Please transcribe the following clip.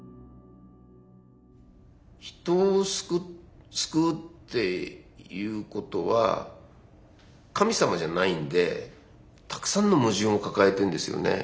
人を救うっていうことは神様じゃないんでたくさんの矛盾を抱えてんですよね。